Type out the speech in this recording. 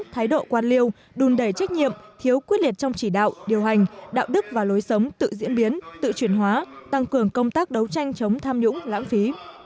thái độ quan liêu đùn đẩy trách nhiệm thiếu quyết liệt trong chỉ đạo điều hành đạo đức và lối sống tự diễn biến tự chuyển hóa tăng cường công tác đấu tranh chống tham nhũng lãng phí